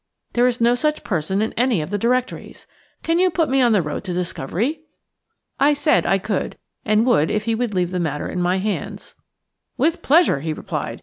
There is no such person in any of the directories. Can you put me on the road to discovery?" I said I could and would if he would leave the matter in my hands. "With pleasure," he replied.